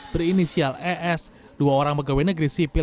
berinisial es dua orang pegawai negeri sipil